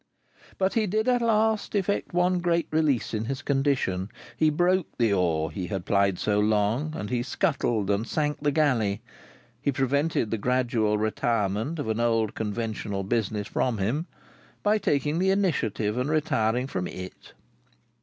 But he did at last effect one great release in his condition. He broke the oar he had plied so long, and he scuttled and sank the galley. He prevented the gradual retirement of an old conventional business from him, by taking the initiative and retiring from it.